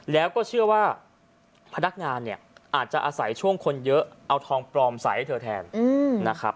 แล้วก็เชื่อว่าพนักงานเนี่ยอาจจะอาศัยช่วงคนเยอะเอาทองปลอมใส่ให้เธอแทนนะครับ